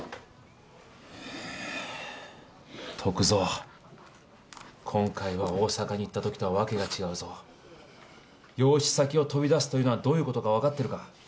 篤蔵今回は大阪に行ったときとは訳が違うぞ養子先を飛び出すというのはどういうことか分かってるか？